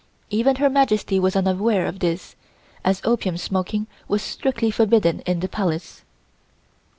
Even Her Majesty was unaware of this, as opium smoking was strictly forbidden in the Palace.